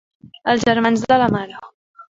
Els germans de la mare.